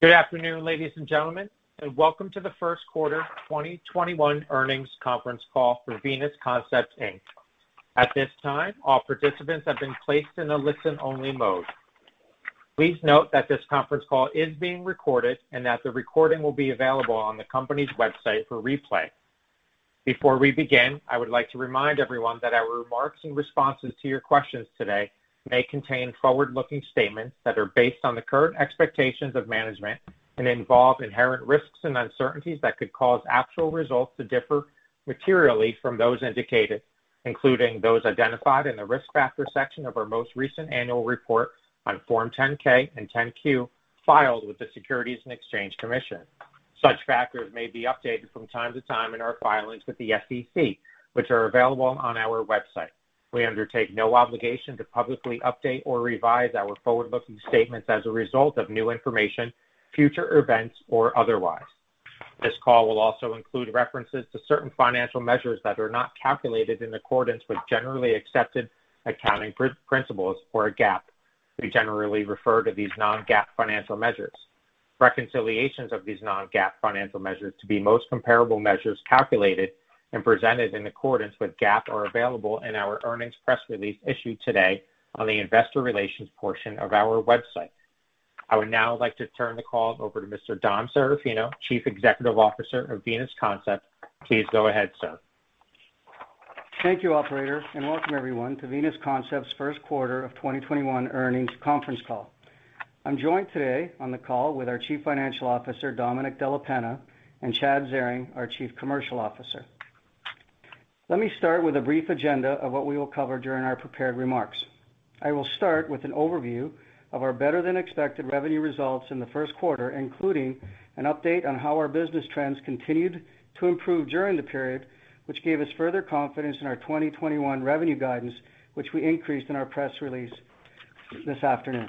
Good afternoon, ladies and gentlemen. Welcome to the first quarter of 2021 earnings conference call for Venus Concept Inc. At this time, all participants have been placed in a listen-only mode. Please note that this conference call is being recorded and that the recording will be available on the company's website for replay. Before we begin, I would like to remind everyone that our remarks and responses to your questions today may contain forward-looking statements that are based on the current expectations of management and involve inherent risks and uncertainties that could cause actual results to differ materially from those indicated, including those identified in the risk factor section of our most recent annual report on Form 10-K and 10-Q filed with the Securities and Exchange Commission. Such factors may be updated from time to time in our filings with the SEC, which are available on our website. We undertake no obligation to publicly update or revise our forward-looking statements as a result of new information, future events, or otherwise. This call will also include references to certain financial measures that are not calculated in accordance with generally accepted accounting principles or GAAP, who generally refer to these non-GAAP financial measures. Reconciliations of these non-GAAP financial measures to be most comparable measures calculated and presented in accordance with GAAP are available in our earnings press release issued today on the investor relations portion of our website. I would now like to turn the call over to Mr. Dom Serafino, Chief Executive Officer of Venus Concept. Please go ahead, sir. Thank you, operator, and welcome everyone to Venus Concept's first quarter of 2021 earnings conference call. I'm joined today on the call with our Chief Financial Officer, Domenic Della Penna, and Chad Zaring, our Chief Commercial Officer. Let me start with a brief agenda of what we will cover during our prepared remarks. I will start with an overview of our better-than-expected revenue results in the first quarter, including an update on how our business trends continued to improve during the period, which gave us further confidence in our 2021 revenue guidance, which we increased in our press release this afternoon.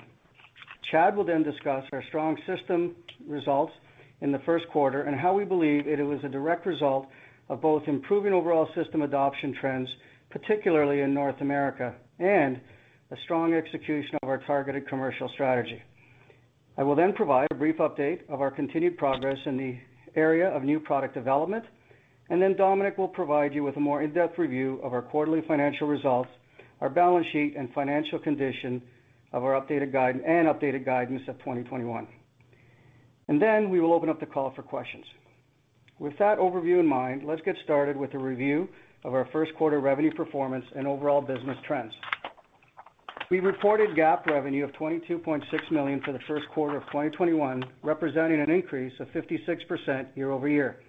Chad will then discuss our strong system results in the first quarter and how we believe it was a direct result of both improving overall system adoption trends, particularly in North America, and a strong execution of our targeted commercial strategy. I will then provide a brief update of our continued progress in the area of new product development, and then Domenic will provide you with a more in-depth review of our quarterly financial results, our balance sheet, and the financial condition of our updated guide and updated guidance of 2021. We will open up the call for questions. With that overview in mind, let's get started with a review of our first-quarter revenue performance and overall business trends. We reported GAAP revenue of $22.6 million for the first quarter of 2021, representing an increase of 56% year-over-year.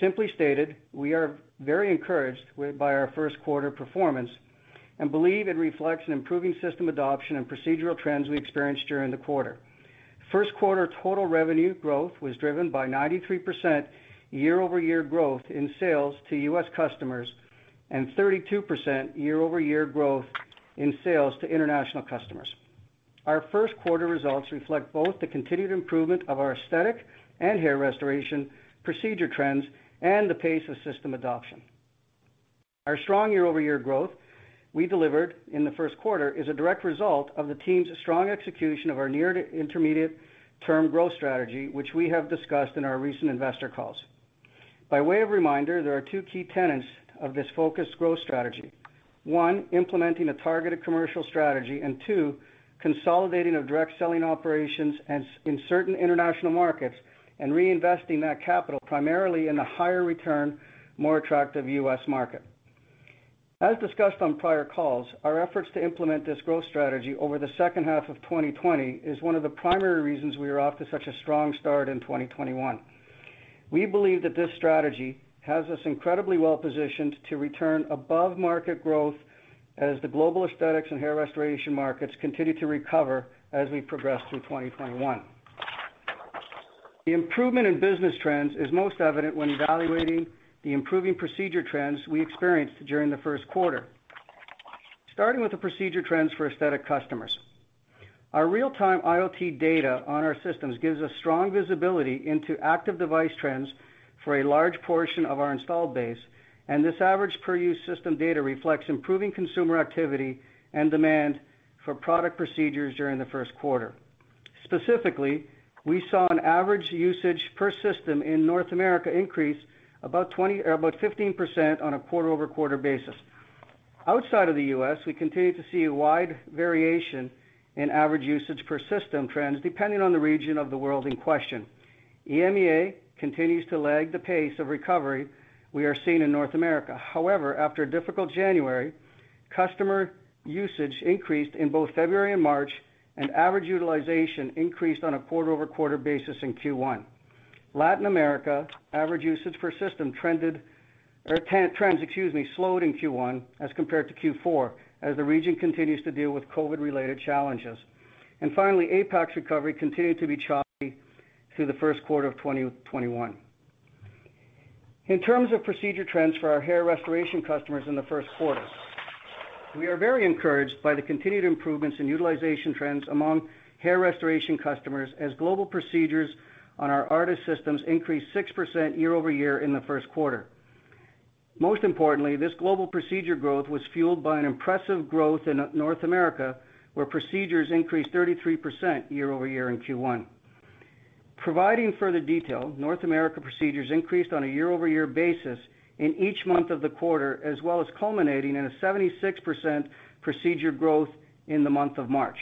Simply stated, we are very encouraged by our first-quarter performance and believe it reflects improving system adoption and procedural trends we experienced during the quarter. First quarter total revenue growth was driven by 93% year-over-year growth in sales to U.S. customers and 32% year-over-year growth in sales to international customers. Our first quarter results reflect both the continued improvement of our aesthetic and hair restoration procedure trends and the pace of system adoption. Our strong year-over-year growth we delivered in the first quarter is a direct result of the team's strong execution of our near-term to intermediate-term growth strategy, which we have discussed in our recent investor calls. By way of reminder, there are two key tenets of this focused growth strategy. One, implementing a targeted commercial strategy, and two, consolidating of direct selling operations in certain international markets and reinvesting that capital primarily in the higher return, more attractive U.S. market. As discussed on prior calls, our efforts to implement this growth strategy over the second half of 2020 is one of the primary reasons we are off to such a strong start in 2021. We believe that this strategy has us incredibly well-positioned to return above-market growth as the global aesthetics and hair restoration markets continue to recover as we progress through 2021. The improvement in business trends is most evident when evaluating the improving procedure trends we experienced during the first quarter. Starting with the procedure trends for aesthetic customers. Our real-time IoT data on our systems gives us strong visibility into active device trends for a large portion of our installed base, and this average per-use system data reflects improving consumer activity and demand for product procedures during the first quarter. Specifically, we saw an average usage per system in North America increase about 15% on a quarter-over-quarter basis. Outside of the U.S., we continue to see a wide variation in average usage per system trends, depending on the region of the world in question. EMEA continues to lag the pace of recovery we are seeing in North America. However, after a difficult January, customer usage increased in both February and March, and average utilization increased on a quarter-over-quarter basis in Q1. Latin America's average usage per system trends slowed in Q1 as compared to Q4, as the region continues to deal with COVID-19-related challenges. Finally, APAC's recovery continued to be choppy through the first quarter of 2021. In terms of procedure trends for our hair restoration customers in the first quarter, we are very encouraged by the continued improvements in utilization trends among hair restoration customers as global procedures on our ARTAS systems increased 6% year-over-year in the first quarter. Most importantly, this global procedure growth was fueled by an impressive growth in North America, where procedures increased 33% year-over-year in Q1. Providing further detail, North America procedures increased on a year-over-year basis in each month of the quarter, as well as culminating in a 76% procedure growth in the month of March.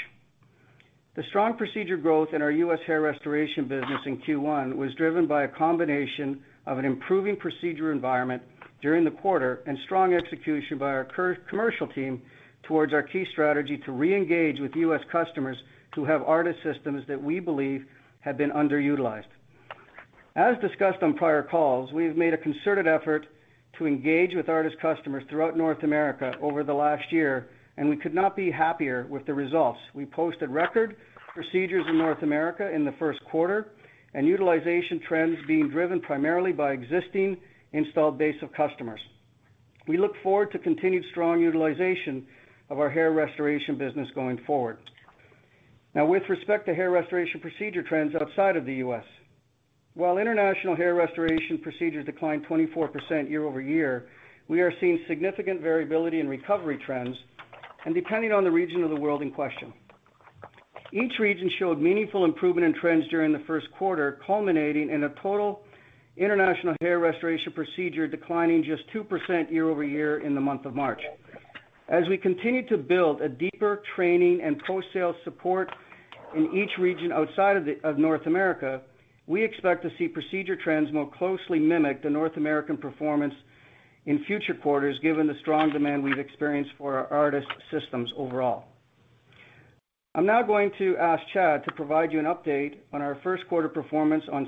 The strong procedure growth in our U.S. hair restoration business in Q1 was driven by a combination of an improving procedure environment during the quarter and strong execution by our commercial team towards our key strategy to re-engage with U.S. customers who have ARTAS systems that we believe have been underutilized. As discussed on prior calls, we have made a concerted effort to engage with ARTAS customers throughout North America over the last year, and we could not be happier with the results. We posted record procedures in North America in the first quarter, and utilization trends being driven primarily by the existing installed base of customers. We look forward to continued strong utilization of our hair restoration business going forward. Now, with respect to hair restoration procedure trends outside of the U.S., while international hair restoration procedures declined 24% year-over-year, we are seeing significant variability in recovery trends, and depending on the region of the world in question. Each region showed meaningful improvement in trends during the first quarter, culminating in a total international hair restoration procedure declining just 2% year-over-year in the month of March. As we continue to build a deeper training and post-sale support in each region outside of North America, we expect to see procedure trends more closely mimic the North American performance in future quarters, given the strong demand we've experienced for our ARTAS systems overall. I'm now going to ask Chad to provide you an update on our first quarter performance on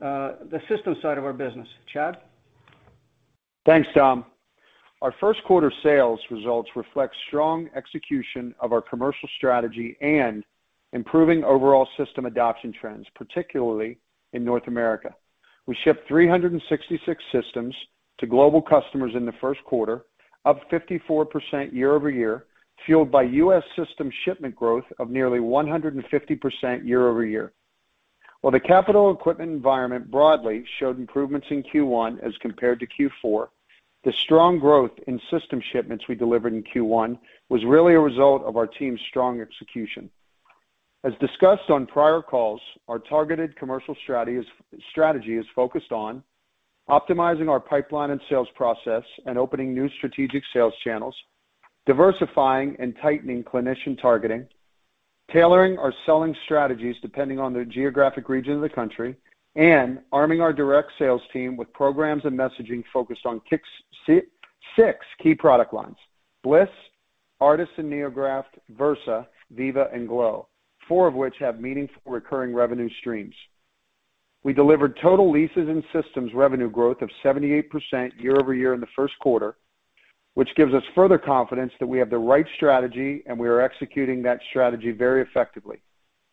the systems side of our business. Chad? Thanks, Dom. Our first-quarter sales results reflect strong execution of our commercial strategy and improving overall system adoption trends, particularly in North America. We shipped 366 systems to global customers in the first quarter, up 54% year-over-year, fueled by U.S. system shipment growth of nearly 150% year-over-year. While the capital equipment environment broadly showed improvements in Q1 as compared to Q4, the strong growth in system shipments we delivered in Q1 was really a result of our team's strong execution. As discussed on prior calls, our targeted commercial strategy is focused on optimizing our pipeline and sales process and opening new strategic sales channels, diversifying and tightening clinician targeting, tailoring our selling strategies depending on the geographic region of the country, and arming our direct sales team with programs and messaging focused on six key product lines, Bliss, ARTAS and NeoGraft, Versa, Viva, and Glow, four of which have meaningful recurring revenue streams. We delivered total leases and systems revenue growth of 78% year-over-year in the first quarter, which gives us further confidence that we have the right strategy, and we are executing that strategy very effectively,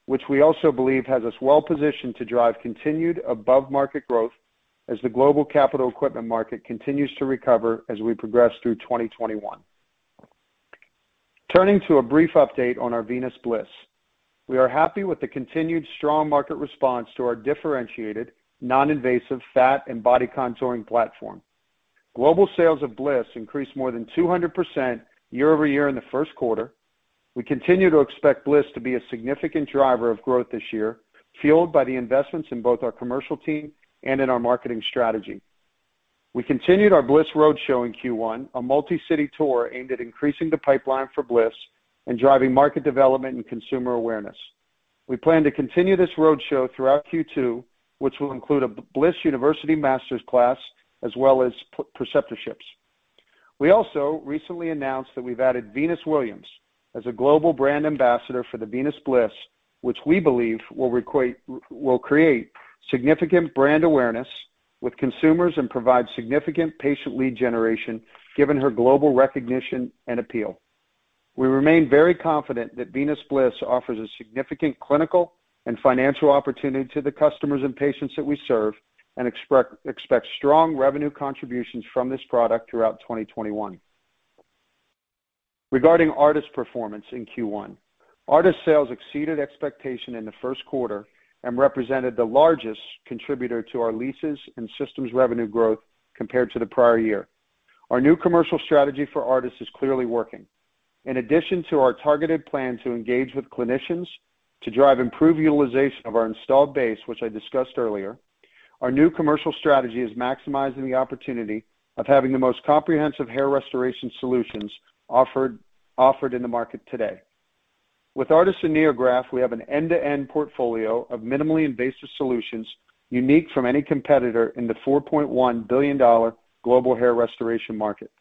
which we also believe has us well-positioned to drive continued above-market growth as the global capital equipment market continues to recover as we progress through 2021. Turning to a brief update on our Venus Bliss. We are happy with the continued strong market response to our differentiated, non-invasive fat and body contouring platform. Global sales of Bliss increased more than 200% year-over-year in the first quarter. We continue to expect Bliss to be a significant driver of growth this year, fueled by the investments in both our commercial team and in our marketing strategy. We continued our Bliss roadshow in Q1, a multi-city tour aimed at increasing the pipeline for Bliss and driving market development and consumer awareness. We plan to continue this roadshow throughout Q2, which will include a Bliss University Master's class as well as preceptorships. We also recently announced that we've added Venus Williams as a global brand ambassador for the Venus Bliss, which we believe will create significant brand awareness with consumers and provide significant patient lead generation, given her global recognition and appeal. We remain very confident that Venus Bliss offers a significant clinical and financial opportunity to the customers and patients that we serve, and expect strong revenue contributions from this product throughout 2021. Regarding ARTAS performance in Q1. ARTAS sales exceeded expectations in the first quarter and represented the largest contributor to our leases and systems revenue growth compared to the prior year. Our new commercial strategy for ARTAS is clearly working. In addition to our targeted plan to engage with clinicians to drive improved utilization of our installed base, which I discussed earlier, our new commercial strategy is maximizing the opportunity of having the most comprehensive hair restoration solutions offered in the market today. With ARTAS and NeoGraft, we have an end-to-end portfolio of minimally invasive solutions unique from any competitor in the $4.1 billion global hair restoration market.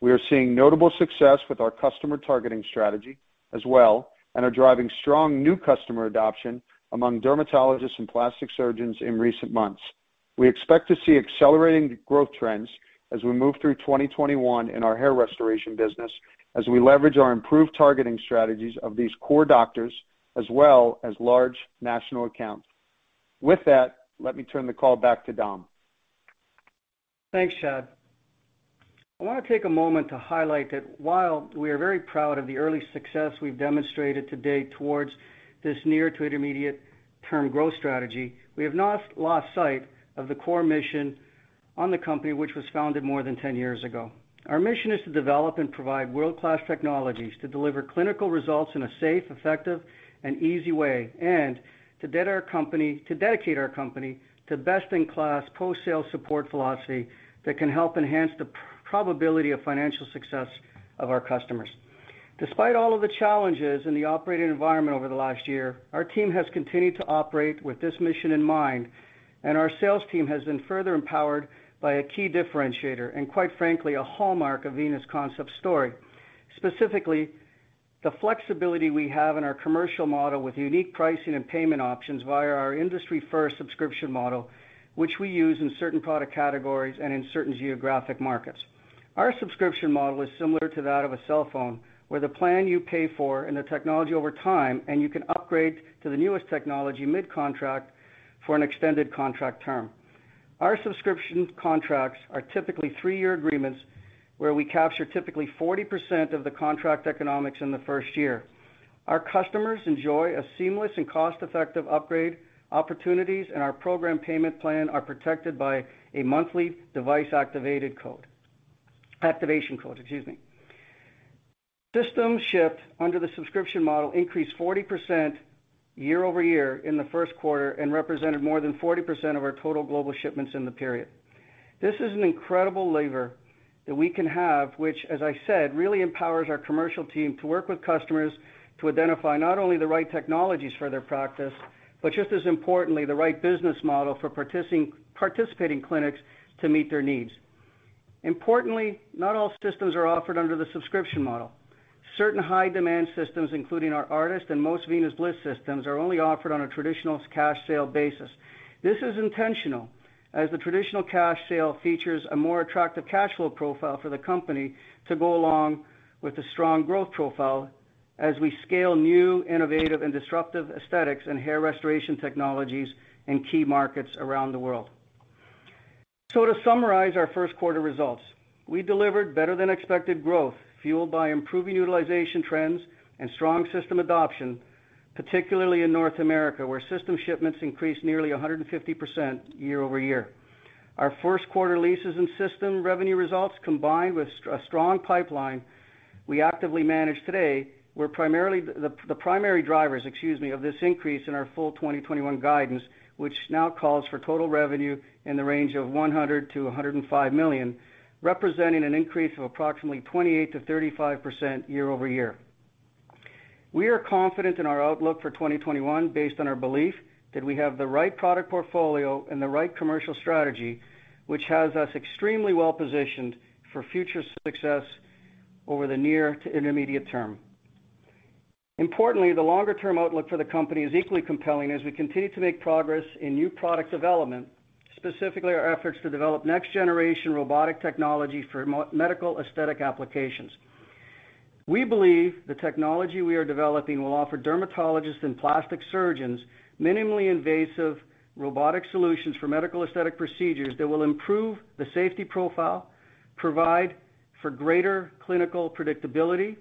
We are seeing notable success with our customer targeting strategy as well, and are driving strong new customer adoption among dermatologists and plastic surgeons in recent months. We expect to see accelerating growth trends as we move through 2021 in our hair restoration business, as we leverage our improved targeting strategies of these core doctors, as well as large national accounts. With that, let me turn the call back to Dom. Thanks, Chad. I want to take a moment to highlight that while we are very proud of the early success we've demonstrated to date towards this near-term to intermediate-term growth strategy, we have not lost sight of the core mission on the company, which was founded more than 10 years ago. Our mission is to develop and provide world-class technologies to deliver clinical results in a safe, effective, and easy way. To dedicate our company to a best-in-class post-sale support philosophy that can help enhance the probability of financial success of our customers. Despite all of the challenges in the operating environment over the last year, our team has continued to operate with this mission in mind, and our sales team has been further empowered by a key differentiator and, quite frankly, a hallmark of the Venus Concept story. Specifically, the flexibility we have in our commercial model with unique pricing and payment options via our industry-first subscription model, which we use in certain product categories and in certain geographic markets. Our subscription model is similar to that of a cell phone, where the plan you pay for and the technology over time, and you can upgrade to the newest technology mid-contract for an extended contract term. Our subscription contracts are typically three-year agreements, where we capture typically 40% of the contract economics in the first year. Our customers enjoy seamless and cost-effective upgrade opportunities, and our program payment plans are protected by a monthly device activation code. Systems shipped under the subscription model increased 40% year-over-year in the first quarter and represented more than 40% of our total global shipments in the period. This is an incredible labor that we can have, which, as I said, really empowers our commercial team to work with customers to identify not only the right technologies for their practice, but just as importantly, the right business model for participating clinics to meet their needs. Importantly, not all systems are offered under the subscription model. Certain high-demand systems, including our ARTAS and most Venus Bliss systems, are only offered on a traditional cash sale basis. This is intentional, as the traditional cash sale features a more attractive cash flow profile for the company to go along with the strong growth profile as we scale new, innovative, and disruptive aesthetics and hair restoration technologies in key markets around the world. To summarize our first-quarter results, we delivered better-than-expected growth fueled by improving utilization trends and strong system adoption, particularly in North America, where system shipments increased nearly 150% year-over-year. Our first quarter leases and system revenue results, combined with a strong pipeline we actively manage today, were the primary drivers, excuse me, of this increase in our full 2021 guidance, which now calls for total revenue in the range of $100 million-$105 million, representing an increase of approximately 28%-35% year-over-year. We are confident in our outlook for 2021 based on our belief that we have the right product portfolio and the right commercial strategy, which has us extremely well-positioned for future success over the near to intermediate-term. Importantly, the longer-term outlook for the company is equally compelling as we continue to make progress in new product development, specifically our efforts to develop next-generation robotic technology for medical aesthetic applications. We believe the technology we are developing will offer dermatologists and plastic surgeons minimally invasive robotic solutions for medical aesthetic procedures that will improve the safety profile, provide for greater clinical predictability,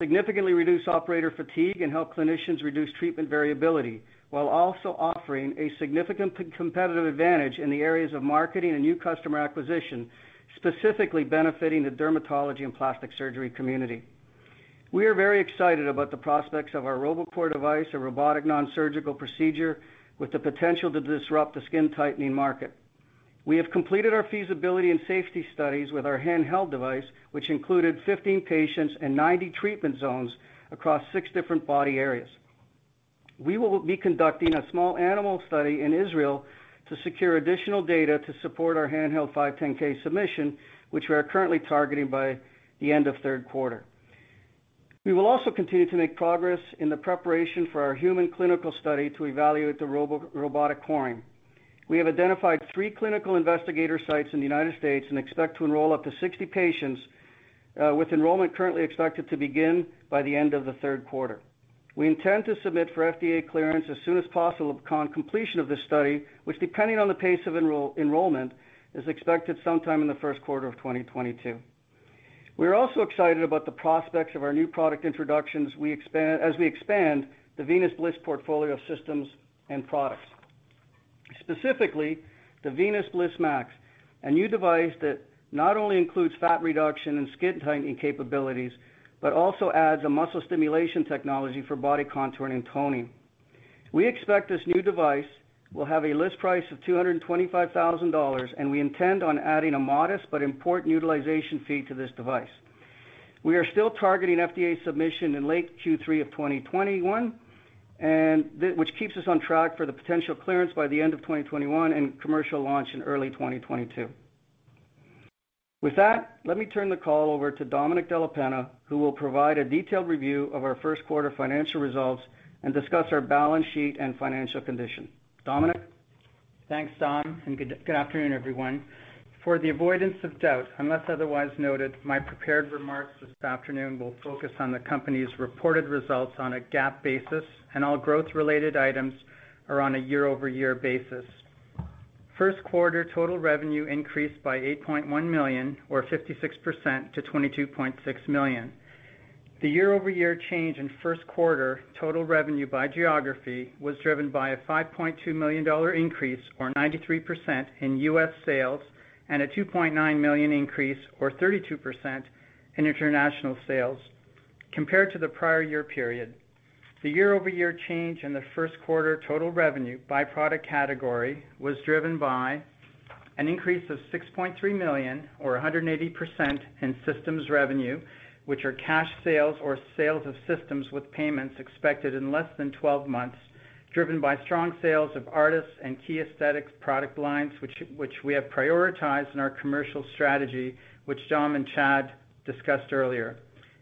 significantly reduce operator fatigue, and help clinicians reduce treatment variability, while also offering a significant competitive advantage in the areas of marketing and new customer acquisition, specifically benefiting the dermatology and plastic surgery community. We are very excited about the prospects of our robotic coring device, a robotic non-surgical procedure with the potential to disrupt the skin-tightening market. We have completed our feasibility and safety studies with our handheld device, which included 15 patients and 90 treatment zones across six different body areas. We will be conducting a small animal study in Israel to secure additional data to support our handheld 510(k) submission, which we are currently targeting by the end of the third quarter. We will also continue to make progress in the preparation for our human clinical study to evaluate the robotic coring. We have identified three clinical investigator sites in the U.S. and expect to enroll up to 60 patients, with enrollment currently expected to begin by the end of the third quarter. We intend to submit for FDA clearance as soon as possible upon completion of this study, which, depending on the pace of enrollment, is expected sometime in the first quarter of 2022. We're also excited about the prospects of our new product introductions as we expand the Venus Bliss portfolio of systems and products. Specifically, the Venus Bliss MAX, a new device that not only includes fat reduction and skin tightening capabilities, but also adds a muscle stimulation technology for body contouring and toning. We expect this new device will have a list price of $225,000, and we intend on adding a modest but important utilization fee to this device. We are still targeting FDA submission in late Q3 of 2021, which keeps us on track for the potential clearance by the end of 2021 and commercial launch in early 2022. With that, let me turn the call over to Domenic Della Penna, who will provide a detailed review of our first quarter financial results and discuss our balance sheet and financial condition. Domenic? Thanks, Dom, and good afternoon, everyone. For the avoidance of doubt, unless otherwise noted, my prepared remarks this afternoon will focus on the company's reported results on a GAAP basis, and all growth-related items are on a year-over-year basis. First quarter total revenue increased by $8.1 million, or 56%, to $22.6 million. The year-over-year change in first quarter total revenue by geography was driven by a $5.2 million increase, or 93%, in U.S. sales and a $2.9 million increase, or 32%, in international sales compared to the prior-year period. The year-over-year change in the first quarter total revenue by product category was driven by an increase of $6.3 million or 180% in systems revenue, which are cash sales or sales of systems with payments expected in less than 12 months, driven by strong sales of ARTAS and key Aesthetics product lines, which we have prioritized in our commercial strategy, which Dom and Chad discussed earlier.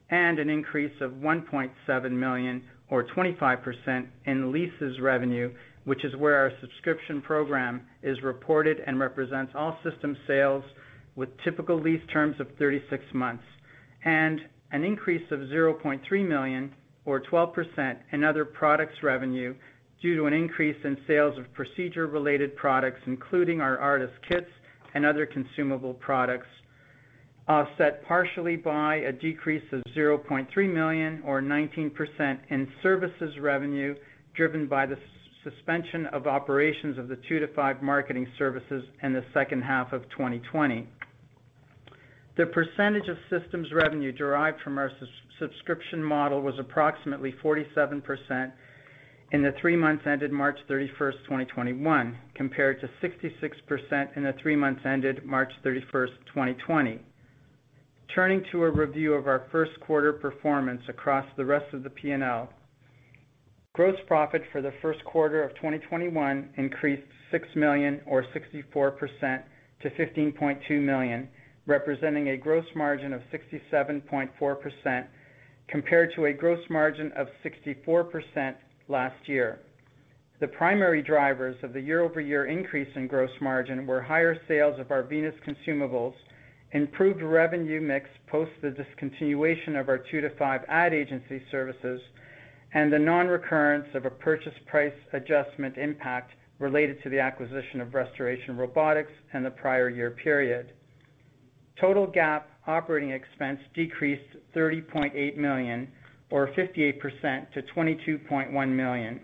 An increase of $1.7 million or 25% in leases revenue, which is where our subscription program is reported and represents all system sales with typical lease terms of 36 months. An increase of $0.3 million or 12% in other products revenue due to an increase in sales of procedure-related products, including our ARTAS kits and other consumable products, offset partially by a decrease of $0.3 million or 19% in services revenue driven by the suspension of operations of the 2two5 marketing services in the second half of 2020. The percentage of systems revenue derived from our subscription model was approximately 47% in the three months ended March 31st, 2021, compared to 66% in the three months ended March 31st, 2020. Turning to a review of our first quarter performance across the rest of the P&L, gross profit for the first quarter of 2021 increased $6 million or 64% to $15.2 million, representing a gross margin of 67.4%, compared to a gross margin of 64% last year. The primary drivers of the year-over-year increase in gross margin were higher sales of our Venus consumables, improved revenue mix post the discontinuation of our 2two5 ad agency services, and the non-recurrence of a purchase price adjustment impact related to the acquisition of Restoration Robotics in the prior year period. Total GAAP operating expense decreased $30.8 million, or 58%, to $22.1 million.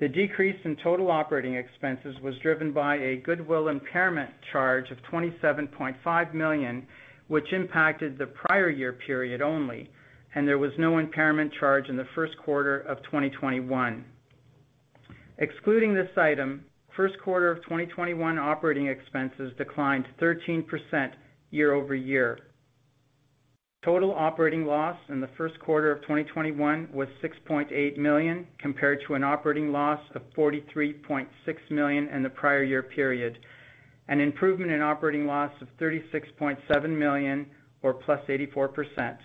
The decrease in total operating expenses was driven by a goodwill impairment charge of $27.5 million, which impacted the prior year period only, and there was no impairment charge in the first quarter of 2021. Excluding this item, first quarter of 2021 operating expenses declined 13% year-over-year. Total operating loss in the first quarter of 2021 was $6.8 million, compared to an operating loss of $43.6 million in the prior year period, an improvement in operating loss of $36.7 million or +84%.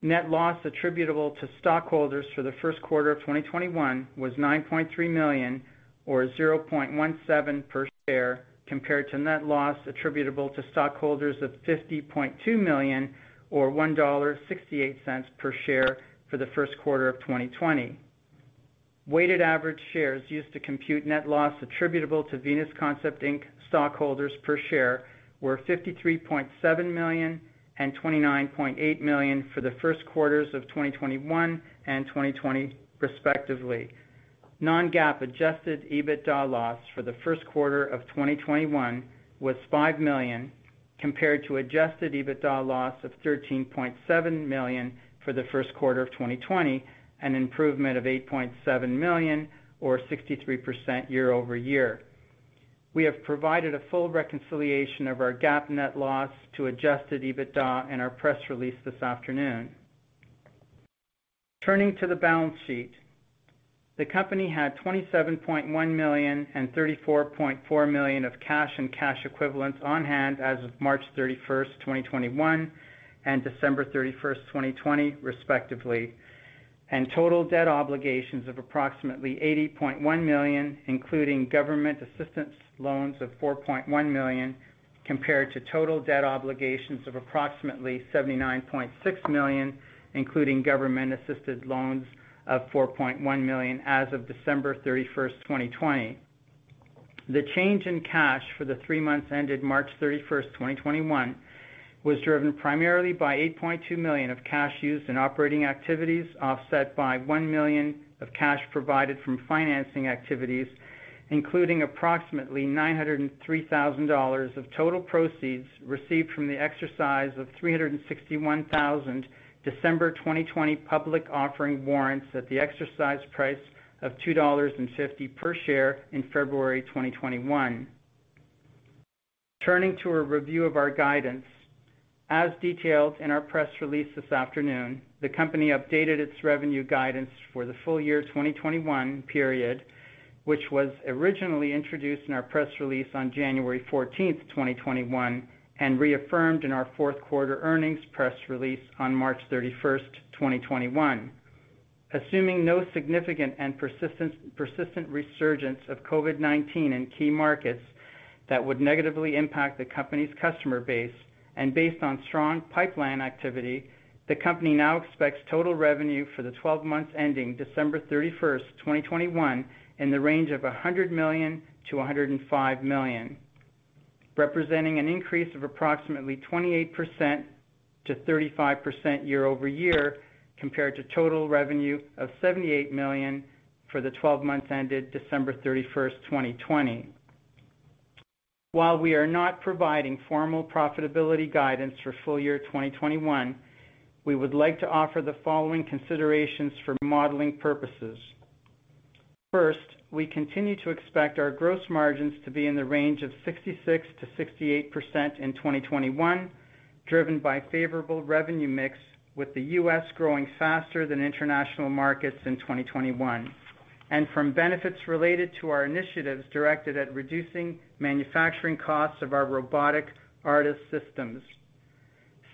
Net loss attributable to stockholders for the first quarter of 2021 was $9.3 million or $0.17 per share, compared to net loss attributable to stockholders of $50.2 million or $1.68 per share for the first quarter of 2020. Weighted average shares used to compute net loss attributable to Venus Concept Inc. stockholders per share were 53.7 million and 29.8 million for the first quarters of 2021 and 2020, respectively. Non-GAAP adjusted EBITDA loss for the first quarter of 2021 was $5 million, compared to adjusted EBITDA loss of $13.7 million for the first quarter of 2020, an improvement of $8.7 million or 63% year-over-year. We have provided a full reconciliation of our GAAP net loss to adjusted EBITDA in our press release this afternoon. Turning to the balance sheet. The company had $27.1 million and $34.4 million of cash and cash equivalents on hand as of March 31st, 2021, and December 31st, 2020, respectively, and total debt obligations of approximately $80.1 million, including government assistance loans of $4.1 million, compared to total debt obligations of approximately $79.6 million, including government-assisted loans of $4.1 million as of December 31st, 2020. The change in cash for the three months ended March 31st, 2021, was driven primarily by $8.2 million of cash used in operating activities, offset by $1 million of cash provided from financing activities, including approximately $903,000 of total proceeds received from the exercise of 361,000 December 2020 public offering warrants at the exercise price of $2.50 per share in February 2021. Turning to a review of our guidance. As detailed in our press release this afternoon, the company updated its revenue guidance for the full year 2021 period, which was originally introduced in our press release on January 14th, 2021, and reaffirmed in our fourth quarter earnings press release on March 31st, 2021. Assuming no significant and persistent resurgence of COVID-19 in key markets that would negatively impact the company's customer base, and based on strong pipeline activity, the company now expects total revenue for the 12 months ending December 31st, 2021, in the range of $100 million-$105 million, representing an increase of approximately 28%-35% year-over-year, compared to total revenue of $78 million for the 12 months ended December 31st, 2020. While we are not providing formal profitability guidance for the full year 2021, we would like to offer the following considerations for modeling purposes. First, we continue to expect our gross margins to be in the range of 66%-68% in 2021, driven by a favorable revenue mix, with the U.S. growing faster than international markets in 2021, and from benefits related to our initiatives directed at reducing manufacturing costs of our robotic ARTAS systems.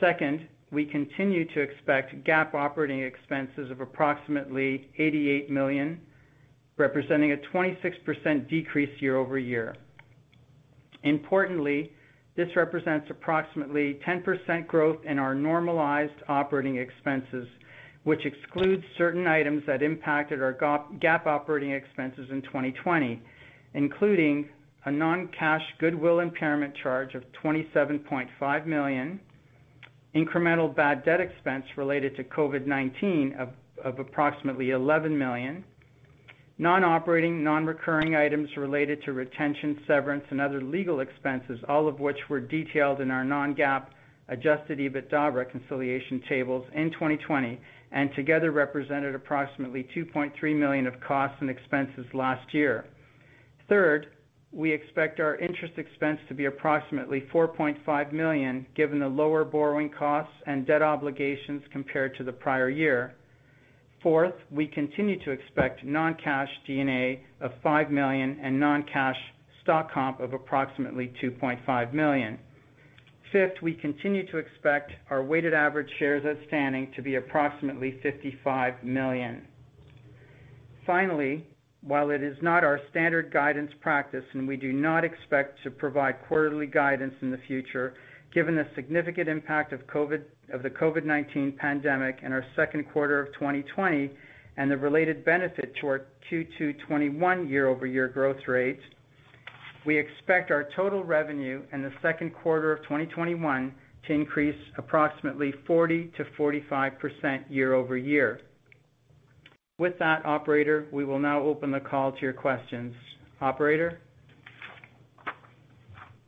Second, we continue to expect GAAP operating expenses of approximately $88 million, representing a 26% decrease year-over-year. Importantly, this represents approximately 10% growth in our normalized operating expenses, which excludes certain items that impacted our GAAP operating expenses in 2020, including a non-cash goodwill impairment charge of $27.5 million, incremental bad debt expense related to COVID-19 of approximately $11 million. Non-operating, non-recurring items related to retention, severance, and other legal expenses, all of which were detailed in our non-GAAP adjusted EBITDA reconciliation tables in 2020, and together represented approximately $2.3 million of costs and expenses last year. Third, we expect our interest expense to be approximately $4.5 million, given the lower borrowing costs and debt obligations compared to the prior year. Fourth, we continue to expect non-cash D&A of $5 million and non-cash stock comp of approximately $2.5 million. Fifth, we continue to expect our weighted average shares outstanding to be approximately 55 million. Finally, while it is not our standard guidance practice and we do not expect to provide quarterly guidance in the future, given the significant impact of the COVID-19 pandemic in our second quarter of 2020 and the related benefit to our Q2 2021 year-over-year growth rates, we expect our total revenue in the second quarter of 2021 to increase approximately 40%-45% year-over-year. With that, operator, we will now open the call to your questions. Operator?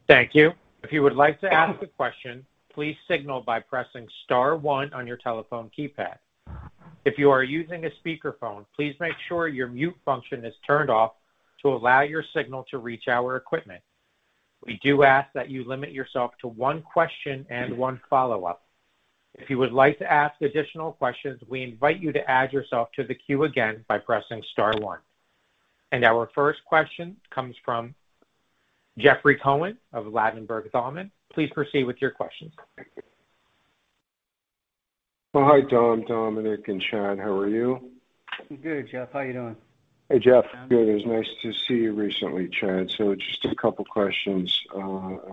Thank you. If you would like to ask a question, please signal by pressing star one on your telephone keypad. If you are using a speakerphone, please make sure your mute function is turned off to allow your signal to reach our equipment. We do ask that you limit yourself to one question and one follow-up. If you would like to ask additional questions, we invite you to add yourself to the queue again by pressing star one. Our first question comes from Jeffrey Cohen of Ladenburg Thalmann. Please proceed with your questions. Hi, Dom, Domenic, and Chad. How are you? Good, Jeff. How are you doing? Hey, Jeff. Good. It was nice to see you recently, Chad. Just a couple of questions I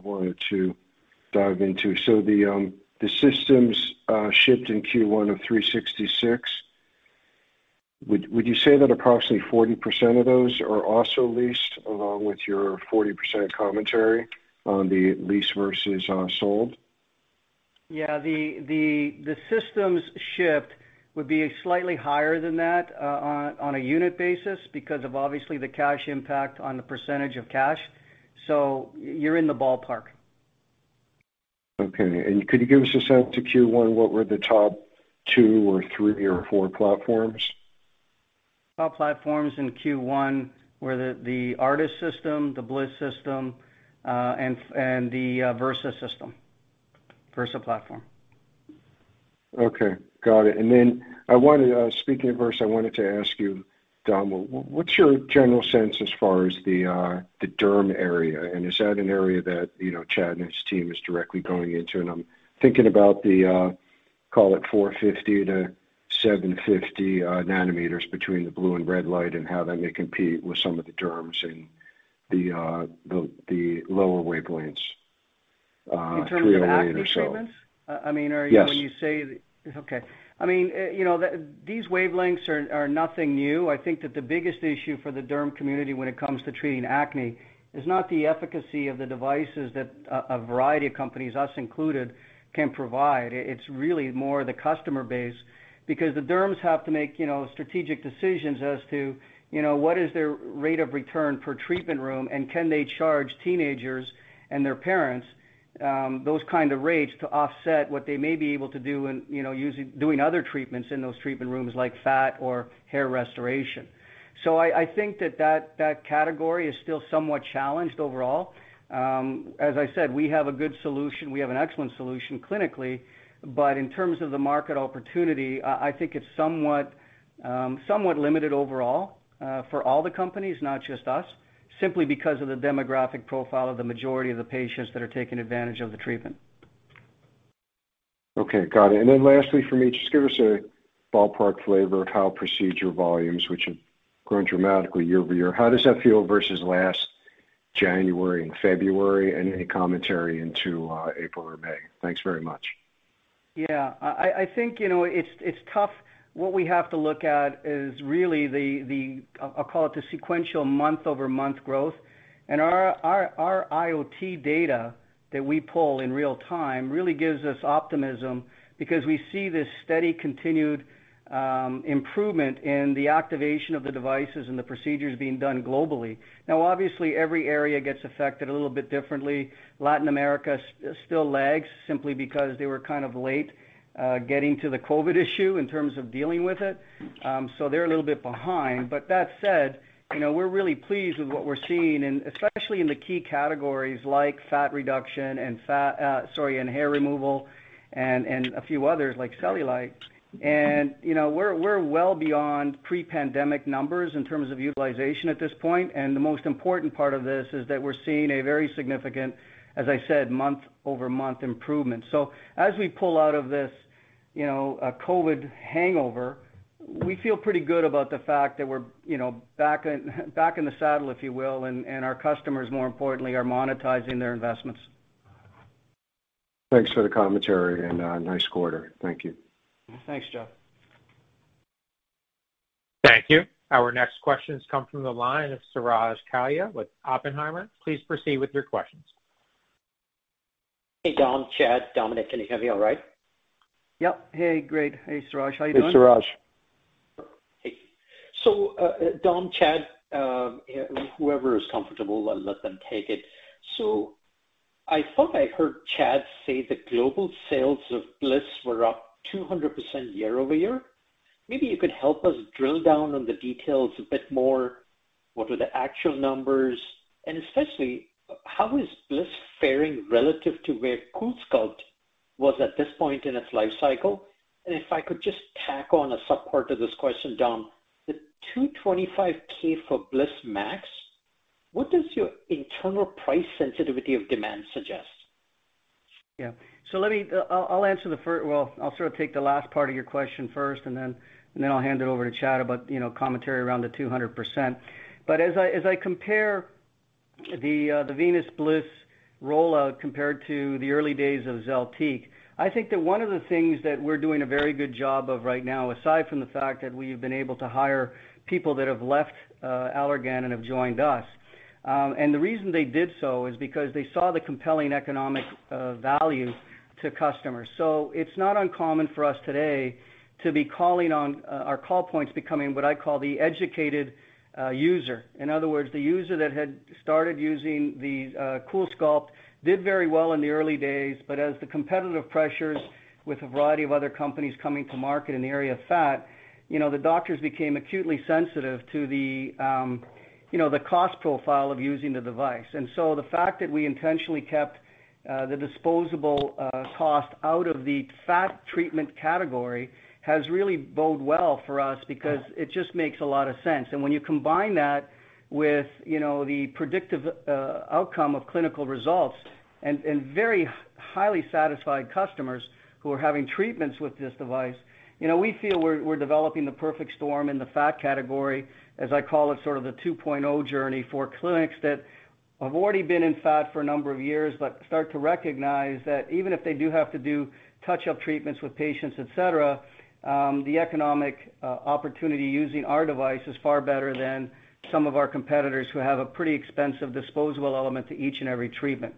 wanted to dive into. The systems shipped in Q1 of 366, would you say that approximately 40% of those are also leased, along with your 40% commentary on the lease versus unsold? Yeah, the systems shipped would be slightly higher than that on a unit basis because of obviously the cash impact on the percentage of cash. You're in the ballpark. Okay. Could you give us a sense of Q1? What were the top two or three or four platforms? Top platforms in Q1 were the ARTAS System, the Venus Bliss System, and the Venus Versa System. Venus Versa platform. Okay. Got it. Speaking of Versa, I wanted to ask you, Dom, what's your general sense as far as the derm area, and is that an area that Chad and his team is directly going into? I'm thinking about the, call it 450 nm-750 nm between the blue and red light and having to compete with some of the derms and the lower wavelengths. In terms of acne treatments? Yes. These wavelengths are nothing new. I think that the biggest issue for the derm community when it comes to treating acne is not the efficacy of the devices that a variety of companies, us included, can provide. It's really more the customer base, because the derms have to make strategic decisions as to what is their rate of return for treatment rooms, can they charge teenagers and their parents those kinds of rates to offset what they may be able to do in doing other treatments in those treatment rooms, like fat or hair restoration. I think that category is still somewhat challenged overall. As I said, we have a good solution. We have an excellent solution clinically, but in terms of the market opportunity, I think it's somewhat limited overall for all the companies, not just us, simply because of the demographic profile of the majority of the patients that are taking advantage of the treatment. Okay, got it. Lastly, from me, just give us a ballpark flavor of how procedure volumes, which have grown dramatically year-over-year, how does that feel versus last January and February, and any commentary into April or May? Thanks very much. Yeah, I think it's tough. What we have to look at is really the sequential month-over-month growth. Our IoT data that we pull in real time really gives us optimism because we see this steady, continued improvement in the activation of the devices and the procedures being done globally. Obviously, every area gets affected a little bit differently. Latin America still lags simply because they were kind of late getting to the COVID issue in terms of dealing with it. They're a little bit behind. That said, we're really pleased with what we're seeing, especially in the key categories like fat reduction and hair removal, and a few others like cellulite. We're well beyond pre-pandemic numbers in terms of utilization at this point. The most important part of this is that we're seeing a very significant, as I said, month-over-month improvement. As we pull out of this COVID hangover, we feel pretty good about the fact that we're back in the saddle, if you will, and our customers, more importantly, are monetizing their investments. Thanks for the commentary, and nice quarter. Thank you. Thanks, Jeff. Thank you. Our next questions come from the line of Suraj Kalia with Oppenheimer. Please proceed with your questions. Hey, Dom, Chad, Domenic, can you hear me all right? Yep. Hey. Great. Hey, Suraj. How are you doing? Hey, Suraj. Hey. Dom, Chad, whoever is comfortable, I'll let them take it. I thought I heard Chad say that global sales of Venus Bliss were up 200% year-over-year. Maybe you could help us drill down on the details a bit more. What are the actual numbers? Especially, how is Venus Bliss faring relative to where CoolSculpting was at this point in its life cycle? If I could just tack on a sub-part to this question, Dom, the $225,000 for Venus Bliss MAX, what does your internal price sensitivity of demand suggest? I'll take the last part of your question first, then I'll hand it over to Chad about commentary around the 200%. As I compare the Venus Bliss rollout compared to the early days of ZELTIQ, I think that one of the things that we're doing a very good job of right now, aside from the fact that we've been able to hire people that have left Allergan and have joined us. The reason they did so is because they saw the compelling economic value to customers. It's not uncommon for us today to be calling on our call points, becoming what I call the educated user. In other words, the user that had started using the CoolSculpting did very well in the early days, but as the competitive pressures with a variety of other companies coming to market in the area of fat, the doctors became acutely sensitive to the cost profile of using the device. The fact that we intentionally kept the disposable cost out of the fat treatment category has really boded well for us because it just makes a lot of sense. When you combine that with the predictive outcome of clinical results and very highly satisfied customers who are having treatments with this device, we feel we're developing the perfect storm in the fat category, as I call it sort of the 2.0 journey for clinics that have already been in fat for a number of years, but start to recognize that even if they do have to do touch-up treatments with patients, et cetera, the economic opportunity using our device is far better than some of our competitors who have a pretty expensive disposable element to each and every treatment.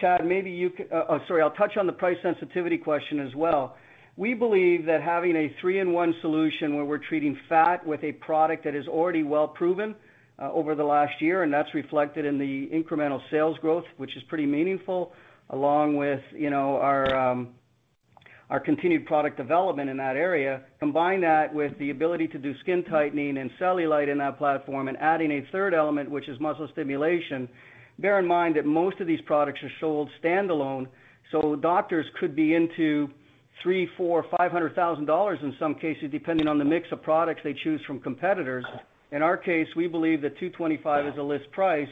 Chad, Oh, sorry. I'll touch on the price sensitivity question as well. We believe that having a three-in-one solution where we're treating fat with a product that is already well-proven over the last year, and that's reflected in the incremental sales growth, which is pretty meaningful, along with our continued product development in that area. Combine that with the ability to do skin tightening and cellulite in that platform, and adding a third element, which is muscle stimulation. Bear in mind that most of these products are sold standalone, so doctors could be into three, four, $500,000 in some cases, depending on the mix of products they choose from competitors. In our case, we believe that $225 as a list price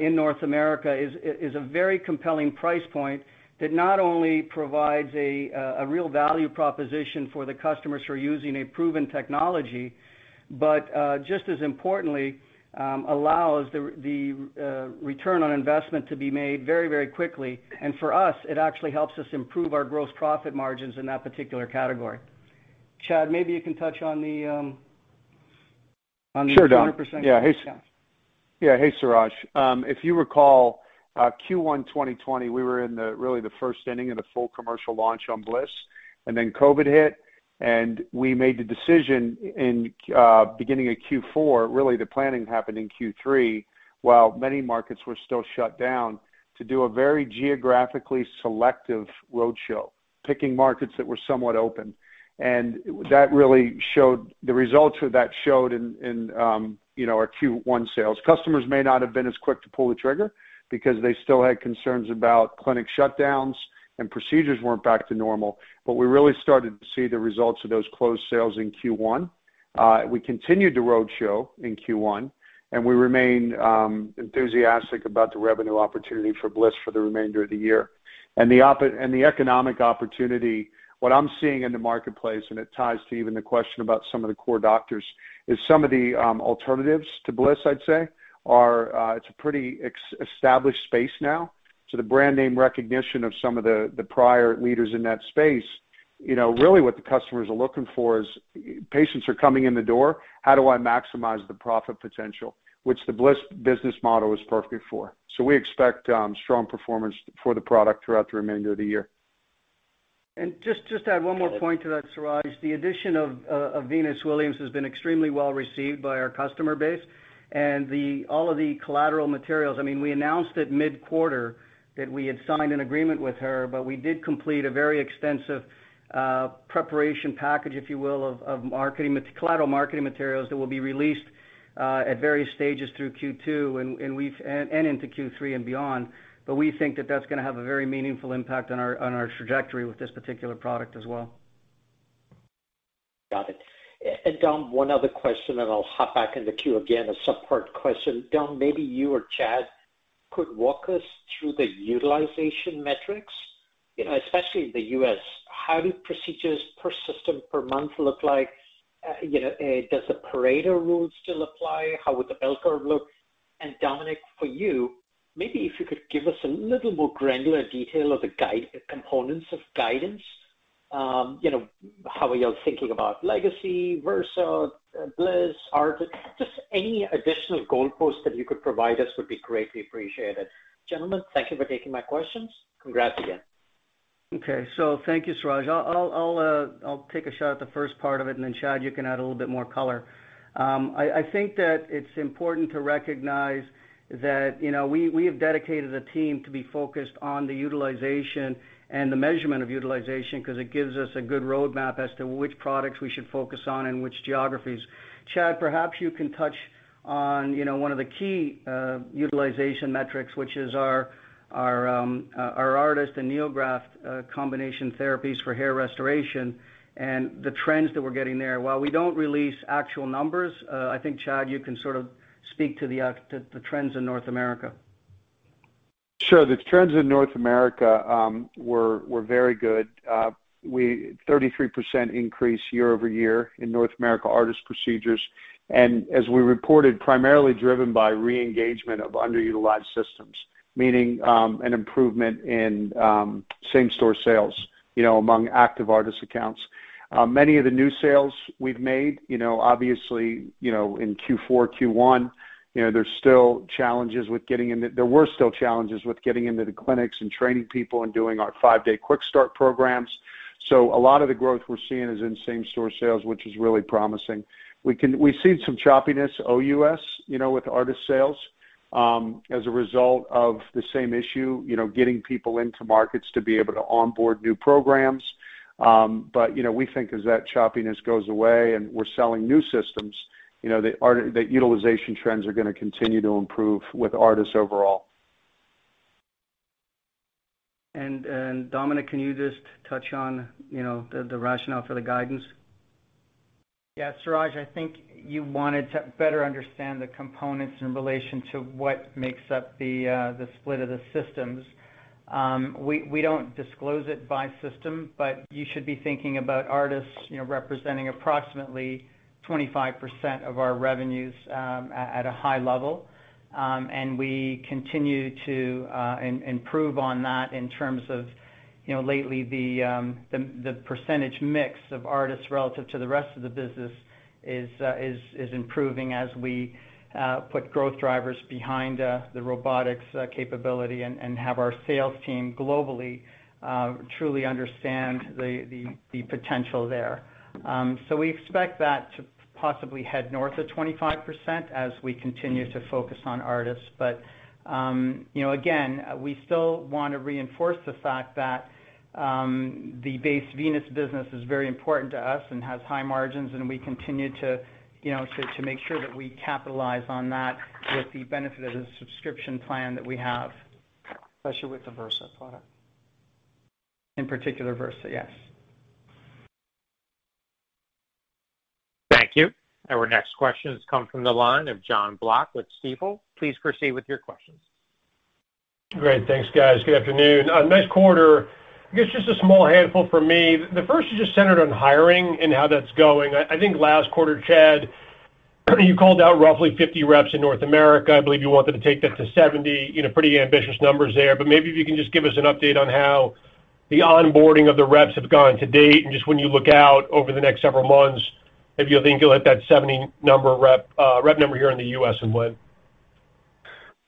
in North America is a very compelling price point that not only provides a real value proposition for the customers who are using a proven technology, but just as importantly, allows the return on investment to be made very quickly. For us, it actually helps us improve our gross profit margins in that particular category. Chad, maybe you can touch on the- Sure, Dom. on the 200%. Yeah. Yeah. Hey, Suraj. If you recall, in Q1 2020, we were in the really the first inning of the full commercial launch on Bliss. Then COVID hit, and we made the decision in beginning of Q4, really the planning happened in Q3, while many markets were still shut down, to do a very geographically selective roadshow, picking markets that were somewhat open. The results of that showed in our Q1 sales. Customers may not have been as quick to pull the trigger because they still had concerns about clinic shutdowns, and procedures weren't back to normal. We really started to see the results of those closed sales in Q1. We continued the roadshow in Q1. We remain enthusiastic about the revenue opportunity for Bliss for the remainder of the year. The economic opportunity, what I'm seeing in the marketplace, and it ties to even the question about some of the core doctors, is some of the alternatives to Bliss, I'd say, it's a pretty established space now. The brand name recognition of some of the prior leaders in that space, really, what the customers are looking for is, patients are coming in the door, how do I maximize the profit potential? Which the Bliss business model is perfect for. We expect strong performance for the product throughout the remainder of the year. Just to add one more point to that, Suraj. The addition of Venus Williams has been extremely well-received by our customer base. All of the collateral materials, we announced at mid-quarter that we had signed an agreement with her, but we did complete a very extensive preparation package, if you will, of collateral marketing materials that will be released at various stages through Q2 and into Q3 and beyond. We think that's going to have a very meaningful impact on our trajectory with this particular product as well. Got it. Dom, one other question, and I'll hop back in the queue again, a support question. Dom, maybe you or Chad could walk us through the utilization metrics, especially in the U.S. How do procedures per system per month look like? Does the Pareto rule still apply? How would the bell curve look? Domenic, for you, maybe if you could give us a little more granular detail of the components of guidance. How are you all thinking about Legacy, Versa, Bliss, ARTAS? Just any additional goalposts that you could provide us would be greatly appreciated. Gentlemen, thank you for taking my questions. Congrats again. Thank you, Suraj. I'll take a shot at the first part of it, and then Chad, you can add a little bit more color. I think that it's important to recognize that we have dedicated a team to be focused on the utilization and the measurement of utilization because it gives us a good roadmap as to which products we should focus on and which geographies. Chad, perhaps you can touch on one of the key utilization metrics, which is our ARTAS and NeoGraft combination therapies for hair restoration, and the trends that we're getting there. While we don't release actual numbers, I think Chad, you can sort of speak to the trends in North America. Sure. The trends in North America were very good. 33% increase year-over-year in North America ARTAS procedures. As we reported, primarily driven by re-engagement of underutilized systems, meaning an improvement in same-store sales among active ARTAS accounts. Many of the new sales we've made, obviously, in Q4, Q1, there were still challenges with getting into the clinics and training people and doing our five-day quick start programs. A lot of the growth we're seeing is in same-store sales, which is really promising. We've seen some choppiness OUS with ARTAS sales, as a result of the same issue, getting people into markets to be able to onboard new programs. We think as that choppiness goes away, and we're selling new systems, the utilization trends are going to continue to improve with ARTAS overall. Domenic, can you just touch on the rationale for the guidance? Yeah, Suraj, I think you wanted to better understand the components in relation to what makes up the split of the systems. We don't disclose it by system, but you should be thinking about ARTAS representing approximately 25% of our revenues at a high level. We continue to improve on that in terms of lately, the percentage mix of ARTAS relative to the rest of the business is improving as we put growth drivers behind the robotics capability and have our sales team globally truly understand the potential there. We expect that to possibly head north of 25% as we continue to focus on ARTAS. Again, we still want to reinforce the fact that the base Venus business is very important to us and has high margins, and we continue to make sure that we capitalize on that with the benefit of the subscription plan that we have. Especially with the Versa product. In particular, Versa, yes. Thank you. Our next question has come from the line of Jonathan Block with Stifel. Please proceed with your questions. Great. Thanks, guys. Good afternoon. Nice quarter. I guess just a small handful from me. The first is just centered on hiring and how that's going. I think last quarter, Chad, you called out roughly 50 reps in North America. I believe you wanted to take that to 70. Pretty ambitious numbers there, but maybe if you can just give us an update on how the onboarding of the reps have gone to date, and just when you look out over the next several months, if you think you'll hit that 70 rep number here in the U.S., and when.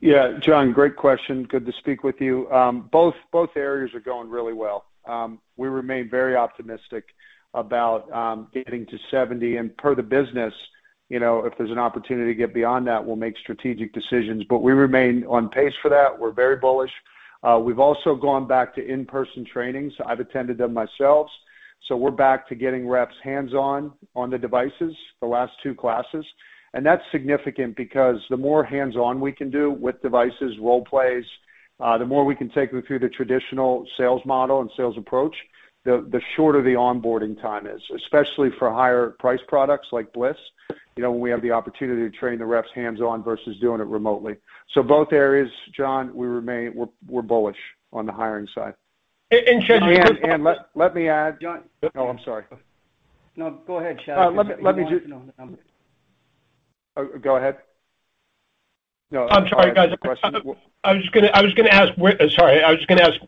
Yeah. Jon, great question. Good to speak with you. Both areas are going really well. We remain very optimistic about getting to 70. Per the business, if there's an opportunity to get beyond that, we'll make strategic decisions. We remain on pace for that. We're very bullish. We've also gone back to in-person training. I've attended them myself. We're back to getting reps hands-on on the devices the last two classes. That's significant because the more hands-on we can do with devices, the more we can take them through the traditional sales model and sales approach, the shorter the onboarding time is, especially for higher-priced products like Bliss. When we have the opportunity to train the reps hands-on versus doing it remotely. Both areas, Jon, we're bullish on the hiring side. And should you- And let me add- Jon. Oh, I'm sorry. No, go ahead, Chad. Let me just. No, I'm good. Oh, go ahead. No, I'm sorry. I'm sorry, guys. I was going to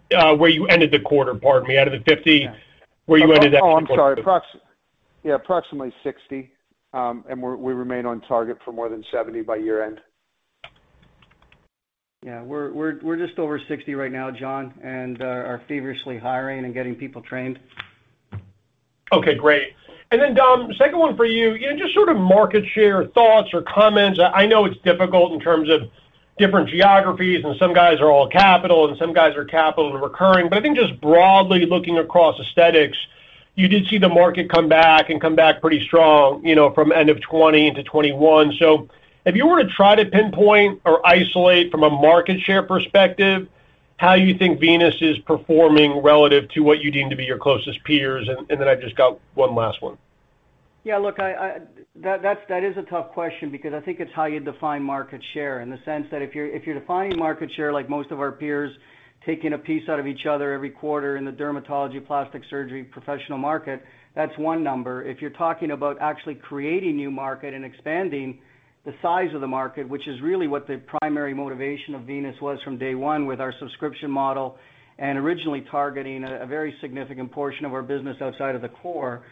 ask where you ended the quarter. Pardon me. Out of the 50, where you ended that in the quarter? Oh, I'm sorry. Approximately 60. We remain on target for more than 70 by year-end. Yeah. We're just over 60 right now, Jon, and are feverishly hiring and getting people trained. Okay, great. Dom, second one for you. Just sort of market share thoughts or comments. I know it's difficult in terms of different geographies, and some guys are all capital and some guys are capital and recurring. I think just broadly, looking across aesthetics, you did see the market come back and come back pretty strong from the end of 2020 into 2021. If you were to try to pinpoint or isolate from a market share perspective, how do you think Venus is performing relative to what you deem to be your closest peers, and then I've just got one last one. Yeah, look, that is a tough question because I think it's how you define market share in the sense that if you're defining market share like most of our peers, taking a piece out of each other every quarter in the dermatology plastic surgery professional market, that's one number. If you're talking about actually creating a new market and expanding the size of the market, which is really what the primary motivation of Venus was from day one, with our subscription model and originally targeting a very significant portion of our business outside of the core.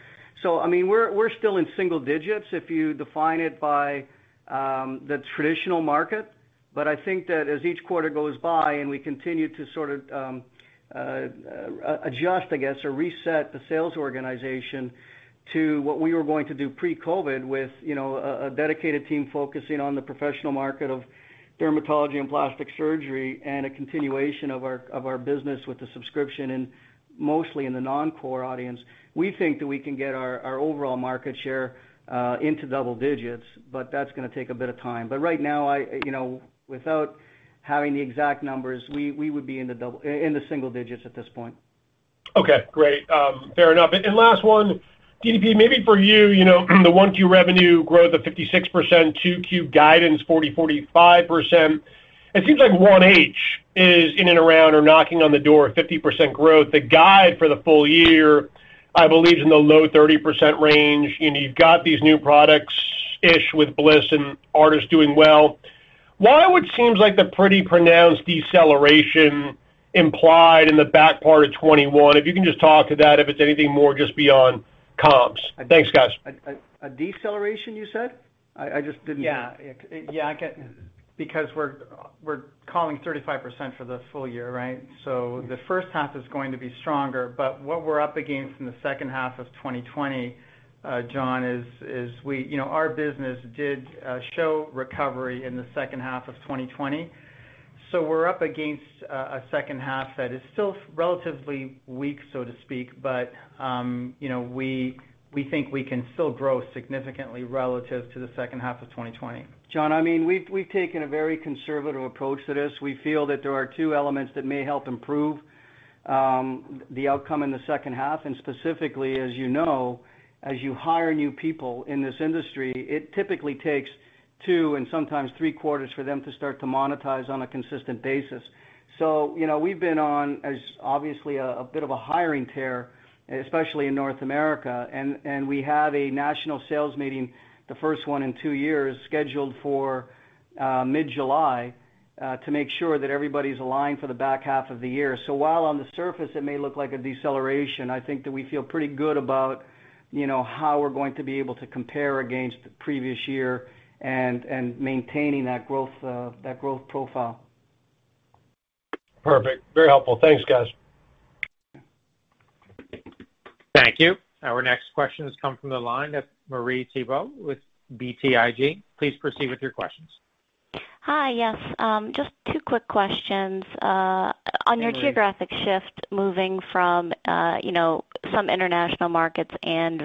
We're still in single digits if you define it by the traditional market. I think that as each quarter goes by and we continue to sort of adjust, I guess, or reset the sales organization to what we were going to do pre-COVID with a dedicated team focusing on the professional market of dermatology and plastic surgery, and a continuation of our business with the subscription, and mostly in the non-core audience. We think that we can get our overall market share into double digits, but that's going to take a bit of time. Right now, without having the exact numbers, we would be in the single digits at this point. Okay, great. Fair enough. Last one. Dom, maybe for you, the 1Q revenue growth of 56%, 2Q guidance 40%-45%. It seems like 1H is in and around or knocking on the door at 50% growth. The guide for the full year, I believe, is in the low 30% range, and you've got these new products-ish with Bliss and ARTAS doing well. Why would seems like the pretty pronounced deceleration implied in the back part of 2021? If you can just talk to that, if it's anything more, just beyond comps. Thanks, guys. A deceleration, you said? I just didn't- Yeah. We're calling 35% for the full year, right? The first half is going to be stronger, but what we're up against from the second half of 2020, Jon, is our business did show recovery in the second half of 2020. We're up against a second half that is still relatively weak, so to speak, but we think we can still grow significantly relative to the second half of 2020. Jon, we've taken a very conservative approach to this. We feel that there are two elements that may help improve the outcome in the second half. Specifically, as you know, as you hire new people in this industry, it typically takes two and sometimes three quarters for them to start to monetize on a consistent basis. We've been on, obviously, a bit of a hiring tear, especially in North America, and we have a national sales meeting, the first one in two years, scheduled for mid-July, to make sure that everybody's aligned for the back half of the year. While on the surface it may look like a deceleration, I think that we feel pretty good about how we're going to be able to compare against the previous year and maintaining that growth profile. Perfect. Very helpful. Thanks, guys. Thank you. Our next questions come from the line of Marie Thibault with BTIG. Please proceed with your questions. Hi. Yes. Just two quick questions. Hey, Marie. On your geographic shift, moving from some international markets and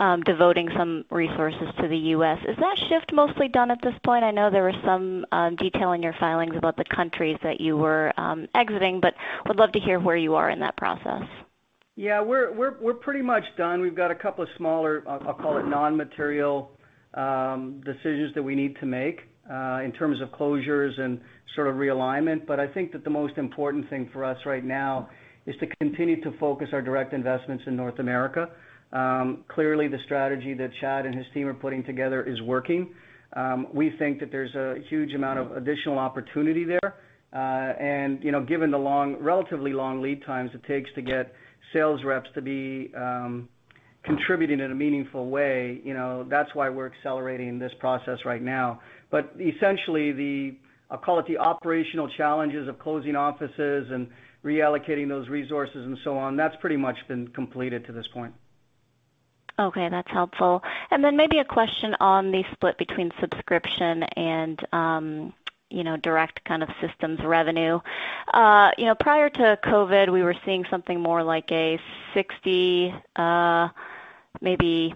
redevoting some resources to the U.S., is that shift mostly done at this point? I know there was some detail in your filings about the countries that you were exiting, but I would love to hear where you are in that process. Yeah, we're pretty much done. We've got a couple of smaller, I'll call it non-material decisions that we need to make, in terms of closures and sort of realignment. I think that the most important thing for us right now is to continue to focus our direct investments in North America. Clearly, the strategy that Chad and his team are putting together is working. We think that there's a huge amount of additional opportunity there. Given the relatively long lead times it takes to get sales reps to be contributing in a meaningful way, that's why we're accelerating this process right now. Essentially, I'll call it the operational challenges of closing offices and reallocating those resources, and so on, that's pretty much been completed to this point. Okay, that's helpful. Maybe a question on the split between subscription and direct kind of systems revenue. Prior to COVID, we were seeing something more like a 60, maybe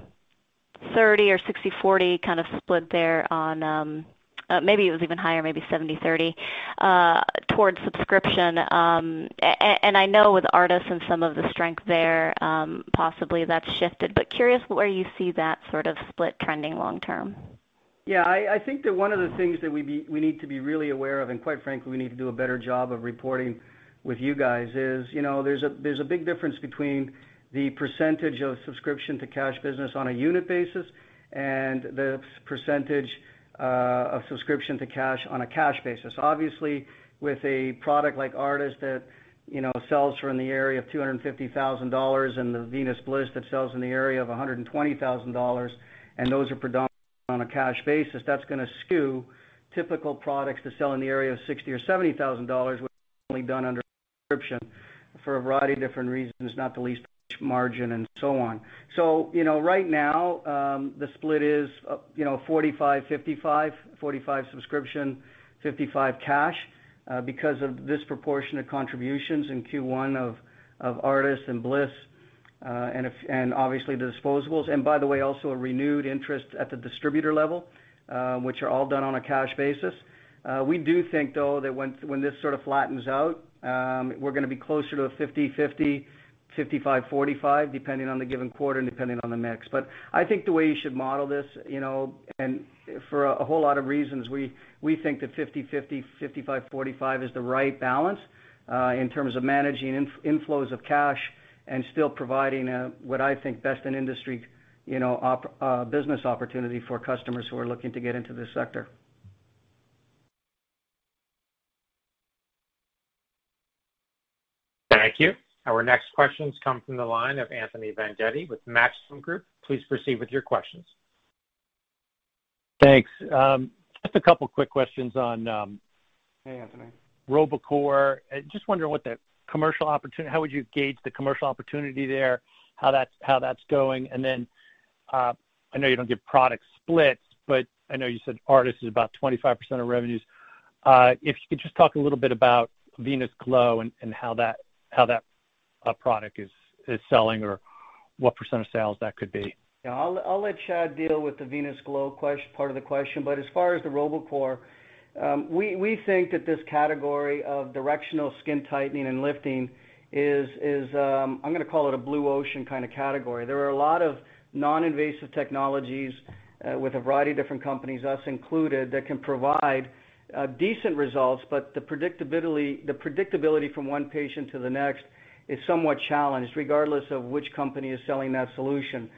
30 or 60/40 kind of split there, maybe it was even higher, maybe 70/30, towards subscription. I know with ARTAS and some of the strength there, possibly that's shifted, but curious where you see that sort of split trending long-term. I think that one of the things that we need to be really aware of, and quite frankly, we need to do a better job of reporting with you guys, is, there's a big difference between the percentage of subscription to cash business on a unit basis and the percentage of subscription to cash on a cash basis. Obviously, with a product like ARTAS that sells for in the area of $250,000 and the Venus Bliss that sells in the area of $120,000, and those are predominantly on a cash basis, that's going to skew typical products that sell in the area of $60,000 or $70,000, which are only done under subscription for a variety of different reasons, not the least of which margin and so on. Right now, the split is 45/55. 45% subscription, 55% cash, because of disproportionate contributions in Q1 of ARTAS and Bliss, and obviously the disposables. By the way, also a renewed interest at the distributor level, which are all done on a cash basis. We do think, though, that when this sort of flattens out, we're going to be closer to a 50/50, 55/45, depending on the given quarter and depending on the mix. I think the way you should model this, and for a whole lot of reasons, we think that 50/50, 55/45 is the right balance in terms of managing inflows of cash and still providing what I think best in industry business opportunity for customers who are looking to get into this sector. Thank you. Our next questions come from the line of Anthony Vendetti with Maxim Group. Please proceed with your questions. Thanks. Just a couple of quick questions on. Hey, Anthony. Robocore. Just wondering what the commercial opportunity, how you would gauge the commercial opportunity there, how that's going? I know you don't give product splits, but I know you said ARTAS is about 25% of revenues. If you could just talk a little bit about Venus Glow and how that product is selling, or what % of sales that could be? Yeah, I'll let Chad deal with the Venus Glow part of the question. As far as the Robocore, we think that this category of directional skin tightening and lifting is, I'm going to call it, a blue ocean kind of category. There are a lot of non-invasive technologies with a variety of different companies, us included, that can provide decent results, but the predictability from one patient to the next is somewhat challenged, regardless of which company is selling that solution.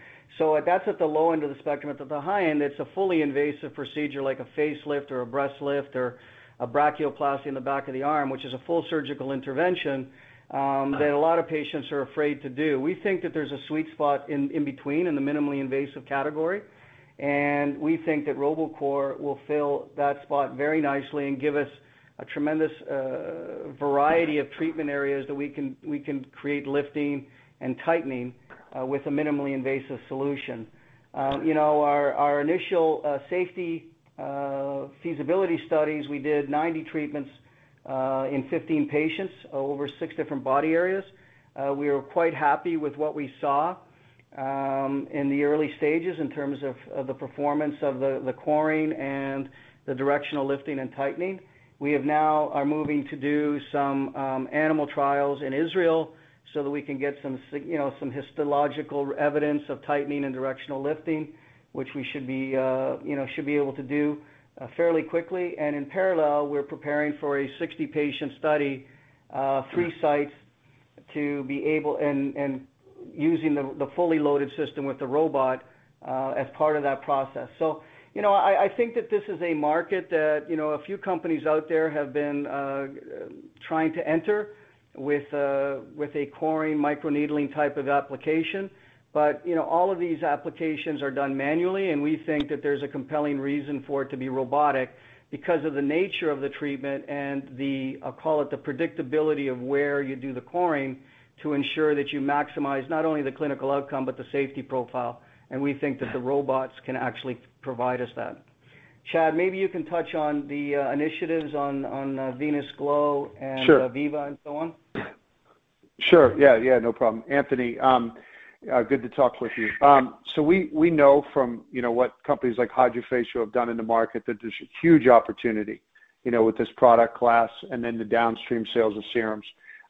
That's at the low end of the spectrum. At the high end, it's a fully invasive procedure, like a facelift or a breast lift or a brachioplasty in the back of the arm, which is a full surgical intervention that a lot of patients are afraid to do. We think that there's a sweet spot in between in the minimally invasive category. We think that Robocore will fill that spot very nicely and give us a tremendous variety of treatment areas that we can create, lifting and tightening with a minimally invasive solution. Our initial safety feasibility studies, we did 90 treatments in 15 patients over six different body areas. We were quite happy with what we saw in the early stages in terms of the performance of the coring and the directional lifting, and tightening. We have now are moving to do some animal trials in Israel so that we can get some histological evidence of tightening and directional lifting, which we should be able to do fairly quickly. In parallel, we're preparing for a 60-patient study, three sites, and using the fully loaded system with the robot as part of that process. I think that this is a market that a few companies out there have been trying to enter with a coring microneedling type of application. All of these applications are done manually, and we think that there's a compelling reason for it to be robotic because of the nature of the treatment and the, I'll call it, the predictability of where you do the coring to ensure that you maximize not only the clinical outcome, but the safety profile. We think that the robots can actually provide us that. Chad, maybe you can touch on the initiatives on Venus Glow. Sure. Viva and so on. Sure. Yeah, no problem. Anthony, good to talk with you. We know from what companies like HydraFacial have done in the market that there's a huge opportunity with this product class and then the downstream sales of serums.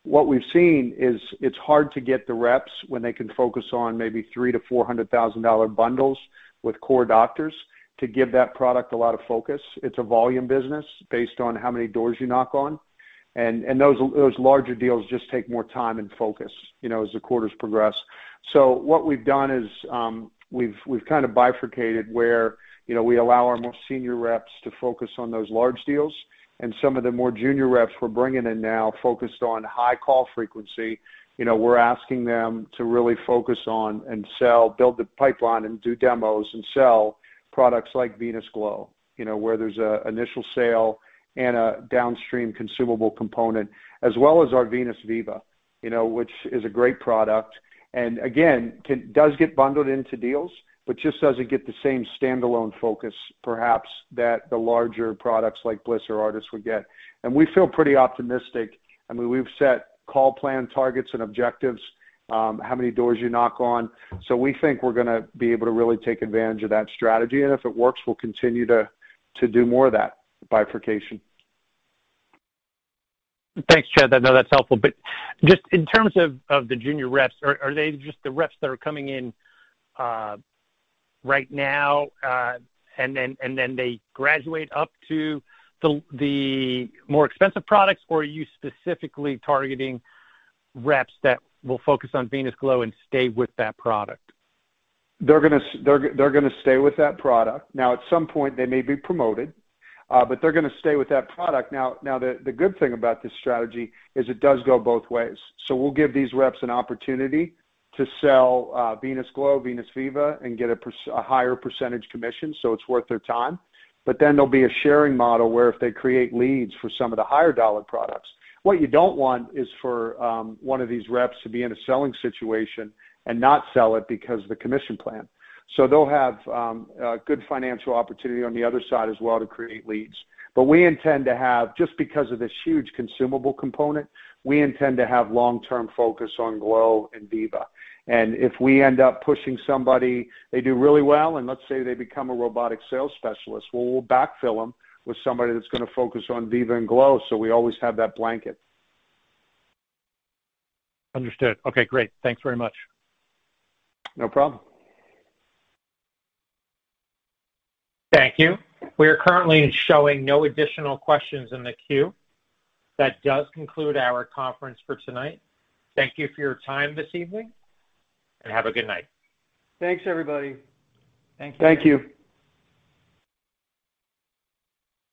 What we've seen is it's hard to get the reps when they can focus on maybe $300,000-$400,000 bundles with core doctors to give that product a lot of focus. It's a volume business based on how many doors you knock on, those larger deals just take more time and focus as the quarters progress. What we've done is we've kind of bifurcated, where we allow our most senior reps to focus on those large deals, and some of the more junior reps we're bringing in now focused on high call frequency. We're asking them to really focus on and sell, build the pipeline, and do demos and sell products like Venus Glow, where there's an initial sale and a downstream consumable component, as well as our Venus Viva, which is a great product. Again, does get bundled into deals, but just doesn't get the same standalone focus, perhaps, that the larger products like Bliss or ARTAS would get. We feel pretty optimistic. I mean, we've set call plan targets and objectives, how many doors you knock on. We think we're going to be able to really take advantage of that strategy. If it works, we'll continue to do more of that bifurcation. Thanks, Chad. I know that's helpful. Just in terms of the junior reps, are they just the reps that are coming in right now, and then they graduate up to the more expensive products? Are you specifically targeting reps that will focus on Venus Glow and stay with that product? They're going to stay with that product. Now, at some point, they may be promoted, but they're going to stay with that product. Now, the good thing about this strategy is it does go both ways. We'll give these reps an opportunity to sell Venus Glow, Venus Viva, and get a higher percentage commission, so it's worth their time. There'll be a sharing model where if they create leads for some of the higher dollar products. What you don't want is for one of these reps to be in a selling situation and not sell it because of the commission plan. They'll have a good financial opportunity on the other side as well to create leads. We intend to have, just because of this huge consumable component, we intend to have long-term focus on Glow and Viva. If we end up pushing somebody, they do really well, and let's say they become a robotic sales specialist, well, we'll backfill them with somebody that's going to focus on Viva and Glow, so we always have that blanket. Understood. Okay, great. Thanks very much. No problem. Thank you. We are currently showing no additional questions in the queue. That does conclude our conference for tonight. Thank you for your time this evening, and have a good night. Thanks, everybody. Thank you.